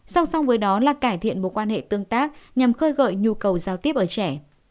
song song với đó là cải thiện mối quan hệ tương tác nhằm khơi gợi nhu cầu giao tiếp ở trẻ